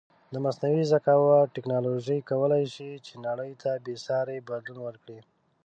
د مصنوعې زکاوت ټکنالوژی کولی شې چې نړی ته بیساری بدلون ورکړې